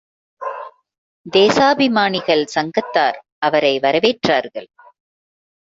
தேசாபிமானிகள் சங்கத்தார் அவரை வரவேற்றார்கள்.